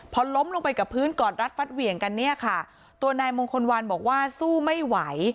พอล้มลงไปกับพื้นกอดรัดฟัดเหวี่ยงกันเนี่ยค่ะตัวนายมงคลวันบอกว่าสู้ไม่ไหว